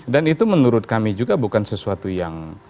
dan itu menurut kami juga bukan sesuatu yang